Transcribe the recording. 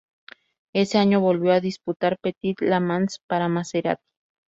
Ese año volvió a disputar Petit Le Mans para Maserati.